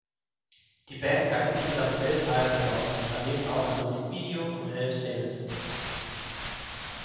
Die Band gab insgesamt elf Alben heraus, daneben auch ein Musikvideo und elf Singles.